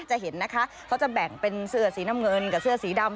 จะเห็นนะคะเขาจะแบ่งเป็นเสื้อสีน้ำเงินกับเสื้อสีดำ